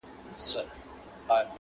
د هغو لپاره یو دي څه دننه څه د باندي!!